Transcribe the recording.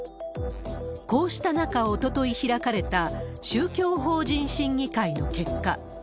こうした中、おととい開かれた宗教法人審議会の結果。